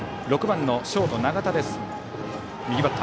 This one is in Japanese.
６番、ショートの長田です。